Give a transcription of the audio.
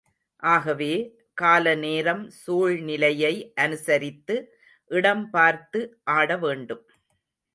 ஆகவே, கால நேரம் சூழ்நிலையை அனுசரித்து இடம் பார்த்து ஆட வேண்டும்.